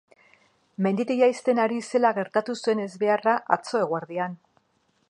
Menditik jaisten ari zela gertatu zen ezbeharra atzo eguerdian.